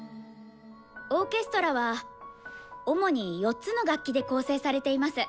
オーケストラは主に４つの楽器で構成されています。